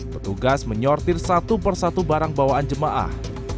petugas menyortir satu persatu barang bawaan jemaah